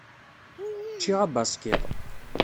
Ččiɣ abaskiḍ.